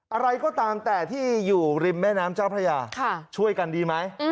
อะไรก็ตามแต่ที่อยู่ริมแม่น้ำเจ้าพระยาช่วยกันดีไหม